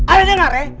adanya gak re